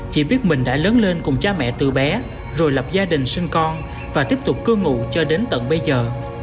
chỉ biết mình đã lớn lên cùng cha mẹ từ bé rồi lập gia đình sinh con và tiếp tục cư ngụ cho đến tận bây giờ